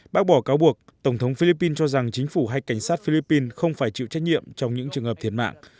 bác bỏ cáo buộc tổng thống philippines cho rằng chính phủ hay cảnh sát philippines không phải chịu trách nhiệm trong những trường hợp thiệt mạng